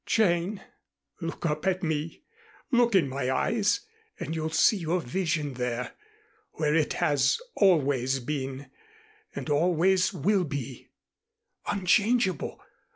"Jane, look up at me. Look in my eyes and you'll see your vision there where it has always been, and always will be unchangeable.